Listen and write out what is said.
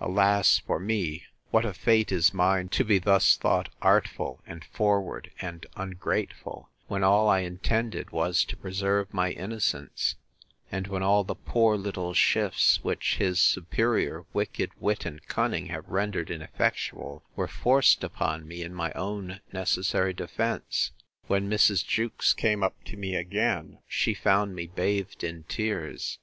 Alas! for me, what a fate is mine, to be thus thought artful, and forward, and ungrateful; when all I intended was to preserve my innocence; and when all the poor little shifts, which his superior wicked wit and cunning have rendered ineffectual, were forced upon me in my own necessary defence! When Mrs. Jewkes came up to me again, she found me bathed in tears.